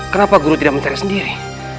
kenapa guru tidak mencari sendiri